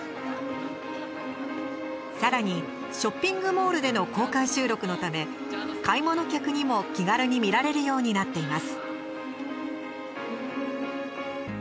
さらに、ショッピングモールでの公開収録のため、買い物客にも気軽に見られるようになっています。